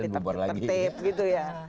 tertip gitu ya